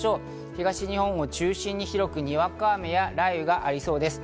東日本を中心に広くにわか雨や雷雨がありそうです。